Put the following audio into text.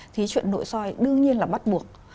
thì chuyện nội soi đương nhiên là bắt buộc